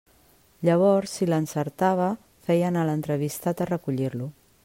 Llavors, si l'encertava, feia anar l'entrevistat a recollir-lo.